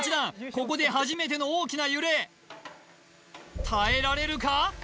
ここで初めての大きな揺れ耐えられるか？